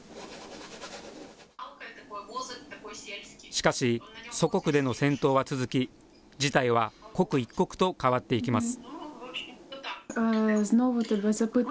しかし、祖国での戦闘は続き、事態は刻一刻と変わっていきます。